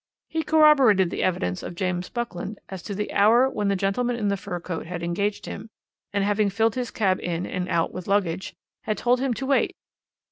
"He corroborated the evidence of James Buckland as to the hour when the gentleman in the fur coat had engaged him, and having filled his cab in and out with luggage, had told him to wait.